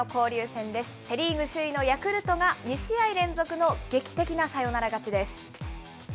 セ・リーグ首位のヤクルトが、２試合連続の劇的なサヨナラ勝ちです。